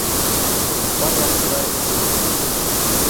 Барлап сығайыҡ